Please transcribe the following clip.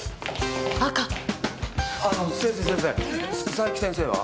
佐伯先生は？